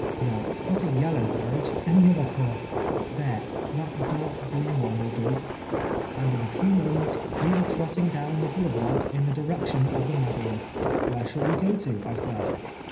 No, not a yellow carriage, any other colour—there, that dark green one will do’; and in a few moments we were trotting down the boulevard in the direction of the Madeleine. ‘Where shall we go to?’ I said.